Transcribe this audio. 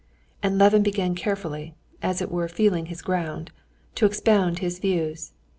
And Levin began carefully, as it were, feeling his ground, to expound his views.